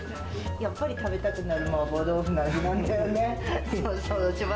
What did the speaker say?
やっぱり食べたくなるマーボー豆腐の味なんだよね。